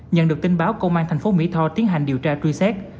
nhận được tin báo công an thành phố mỹ tho tiến hành điều tra truy xét